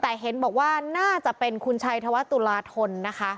แต่เห็นบอกว่าน่าจะเป็นคุณชัยธวัตุลาธนนะคะ